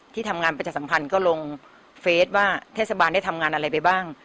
ที่ทำงานประชาสัมพันธ์ก็ลงเฟสว่าเทศบาลได้ทำงานอะไรไปบ้าง